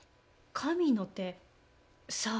神の手さあ？